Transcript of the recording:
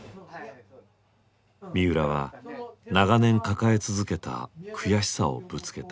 三浦は長年抱え続けた悔しさをぶつけた。